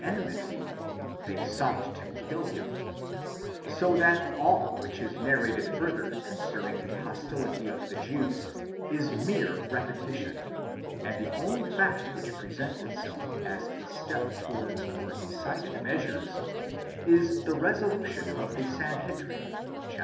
601 enmity (ἐζήτουν αὐτὸν ἀποκτεῖναι, they sought to kill him); so that all which is narrated further concerning the hostility of the Jews is mere repetition, and the only fact which presents itself as a step towards more decided measures is the resolution of the Sanhedrim, chap.